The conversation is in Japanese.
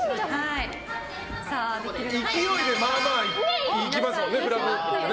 勢いでまあまあいきますよね。